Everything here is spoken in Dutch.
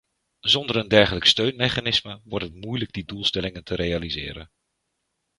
Zonder een dergelijk steunmechanisme wordt het moeilijk die doelstellingen te realiseren.